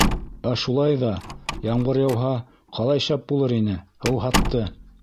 Ә шулай ҙа, ямғыр яуһа, ҡалай шәп булыр ине, һыуһатты.